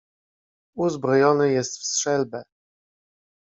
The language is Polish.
"Uzbrojony jest w strzelbę."